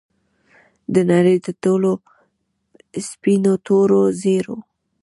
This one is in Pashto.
د نړۍ د ټولو سپینو، تورو، زیړو